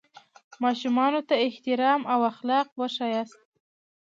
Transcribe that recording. ماشومانو ته احترام او اخلاق وښیاست.